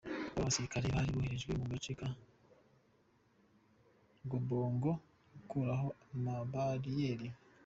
Abo basirikare bari boherejwe mu gace ka Gobongo gukuraho amabariyeri.